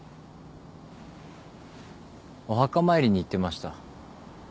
お墓参りに行ってました。